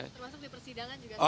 termasuk di persidangan juga